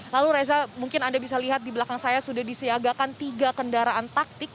lalu reza mungkin anda bisa lihat di belakang saya sudah disiagakan tiga kendaraan taktik